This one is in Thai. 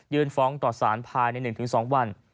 ยื่นฟ้องตรอดสารภายใน๑๒วัน